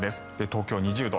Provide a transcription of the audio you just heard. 東京２０度。